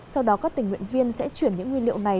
sau đó các tình nguyện viên sẽ chuyển những nguyên liệu này